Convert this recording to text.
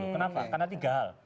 kenapa karena tiga hal